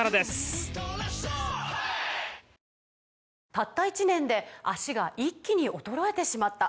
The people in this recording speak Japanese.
「たった１年で脚が一気に衰えてしまった」